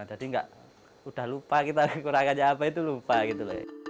jadi nggak udah lupa kita kekurangannya apa itu lupa gitu